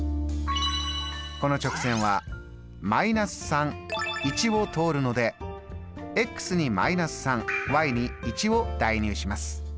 この直線はを通るのでに−３に１を代入します。